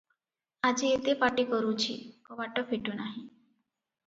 ଆଜି ଏତେ ପାଟି କରୁଛି, କବାଟ ଫିଟୁ ନାହିଁ ।